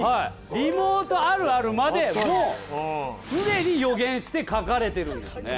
リモートあるあるまでもすでに予言して描かれてるんですね。